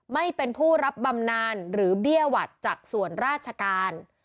ไม่เป็นผู้รับบำนานหรือเบี้ยหวัดจากส่วนราชการ